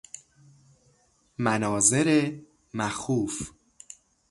مناظر مخوف